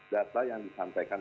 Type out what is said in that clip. data yang disampaikan